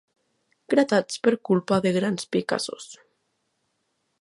Gratats per culpa de grans picassors.